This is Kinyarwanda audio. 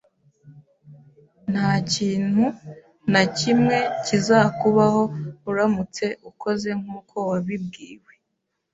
Ntakintu nakimwe kizakubaho uramutse ukoze nkuko wabibwiwe.